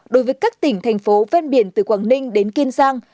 đối với các tỉnh thành phố ven biển từ quảng ninh đến kiên giang